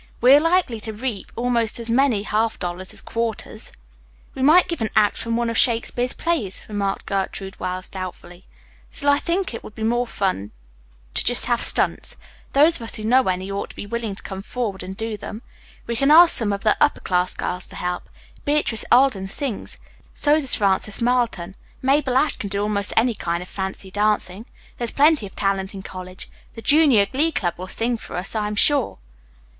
We are likely to reap almost as many half dollars as quarters." "We might give an act from one of Shakespeare's plays," remarked Gertrude Wells doubtfully. "Still, I think it would be more fun to have just stunts. Those of us who know any ought to be willing to come forward and do them. We can ask some of the upper class girls to help. Beatrice Alden sings; so does Frances Marlton. Mabel Ashe can do almost any kind of fancy dancing. There is plenty of talent in college. The junior glee club will sing for us, I am sure.